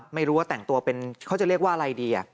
ไม่รู้ว่าแต่งตัวเป็นเขาจะเรียกว่าอะไรดี